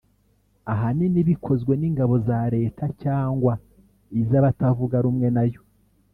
ahanini bikozwe n’ingabo za Leta cyangwa iz’abatavuga rumwe na yo